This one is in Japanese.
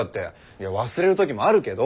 いや忘れるときもあるけど。